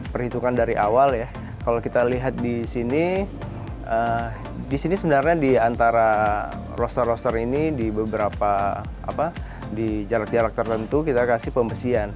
perhitungan dari awal ya kalau kita lihat di sini di sini sebenarnya di antara roster roster ini di beberapa di jarak jarak tertentu kita kasih pembesian